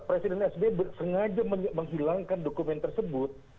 presiden sbi sengaja menghilangkan dokumen tersebut